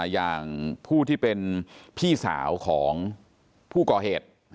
อย่างผู้ที่เป็นพี่สาวของผู้ก่อเหตุ